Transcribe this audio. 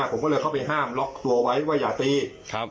ผมก็เลยเข้าไปห้ามล็อกตัวไว้ว่าอย่าตีครับ